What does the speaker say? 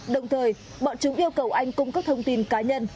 đồng thời bọn chúng yêu cầu anh cung cấp thông tin cá nhân